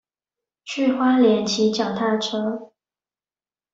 去花蓮騎腳踏車